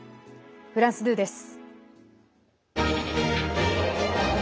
フランス２です。